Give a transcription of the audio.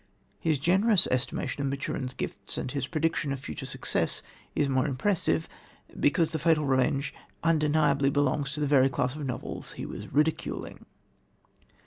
His generous estimate of Maturin's gifts and his prediction of future success is the more impressive, because The Fatal Revenge undeniably belongs to the very class of novels he was ridiculing.